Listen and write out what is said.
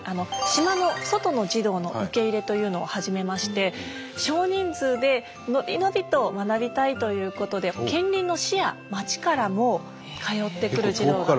島の外の児童の受け入れというのを始めまして少人数でのびのびと学びたいということで近隣の市や町からも通ってくる児童が。